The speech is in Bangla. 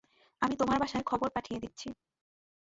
আমি তোমার বাসায় খবর পাঠিয়ে দিচ্ছি।